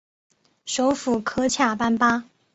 首府科恰班巴。